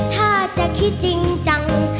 ถ้าจะคิดจริงจัง